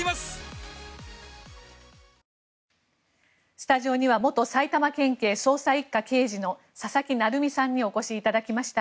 スタジオには元埼玉県警捜査１課刑事の佐々木成三さんにお越しいただきました。